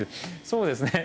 そうですね。